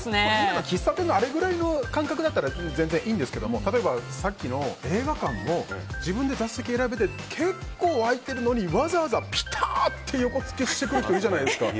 今の喫茶店のあれぐらいの間隔だったら全然いいんですが例えば、さっきの映画館も自分で座席を選べて結構空いているのにわざわざピタッと横付けしてくる人いるじゃないですか。